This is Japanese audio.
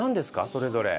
それぞれ。